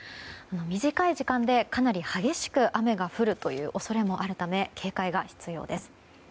短い時間でかなり激しく雨が降るという恐れもあるため警戒が必要です。